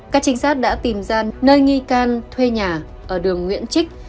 các trinh sát đã tìm ra nơi nghi can thuê nhà ở đường nguyễn trích